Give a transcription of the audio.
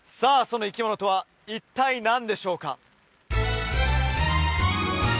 その生き物とは一体何でしょうか？